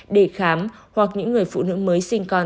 để khám hoặc những người phụ nữ mới sinh con